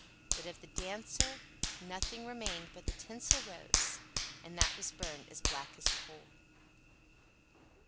But of the Dancer nothing remained but the tinsel rose, and that was burned as black as coal.